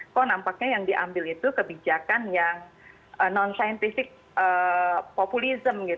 kok nampaknya yang diambil itu kebijakan yang non scientific populisme